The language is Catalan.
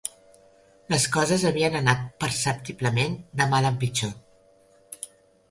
Les coses havien anat perceptiblement de mal en pitjor.